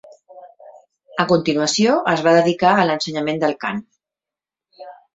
A continuació es va dedicar a l'ensenyament del cant.